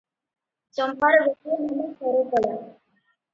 ଚମ୍ପାର ଗୋଟିଏ ନାମ ହରକଳା ।